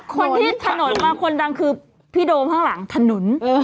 คนที่ถนนมาคนดังคือพี่โดมข้างหลังถนน